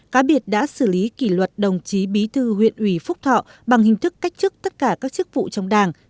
cá biệt đã xử lý kỷ luật đồng chí bí thư huyện ủy phúc thọ bằng hình thức cách chức tất cả các chức vụ trong đảng